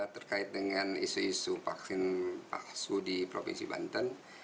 terkait dengan isu isu vaksin palsu di provinsi banten